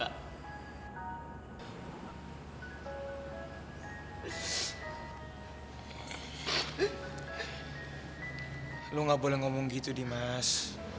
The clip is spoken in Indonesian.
kau tidak boleh berkata begitu dimas